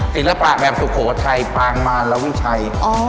ศิลปะแบบสุโขทัยปางมารวิชัย